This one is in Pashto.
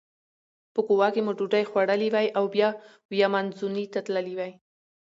په کووا کې مو ډوډۍ خوړلې وای او بیا ویامنزوني ته تللي وای.